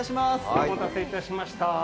お待たせいたしました。